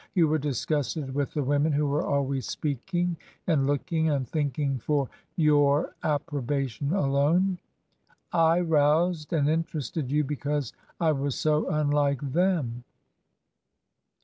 You were disgusted with the women who were always speaking, and looking, and thinking for your approbation alone. I roused and interested you because I was so unhke them.